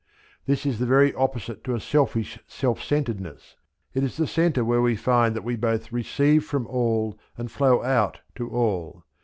This is the very opposite to a selfish self centredness; it, is the centre where we find that we both receive from all and flow out to all.